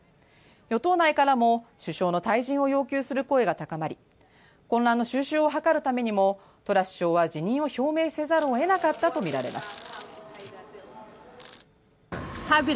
与党内からも、首相の退陣を要求する声が高まり、混乱の収拾を図るためにもトラス首相は辞任を表明せざるを得なかったとみられます。